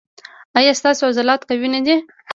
ایا ستاسو عضلات قوي نه دي؟